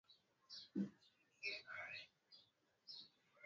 wanaishi karibu na mbuga nyingi za Afrika Mashariki